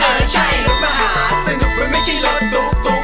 เออใช่รถมหาสนุกมันไม่ใช่รถตุ๊ก